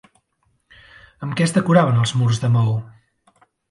Amb què es decoraven els murs de maó?